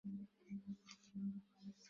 দাবা খেলতে পারো হে?